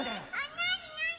なになに？